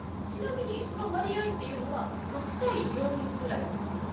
ちなみにその割合っていうのは６対４ぐらいですか？